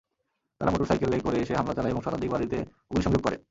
তারা মোটরসাইকেলে করে এসে হামলা চালায় এবং শতাধিক বাড়িতে অগ্নিসংযোগ করে।